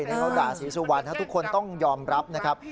ในโอกาสศิษย์สุวรรณทุกคนต้องยอมรับนะครับ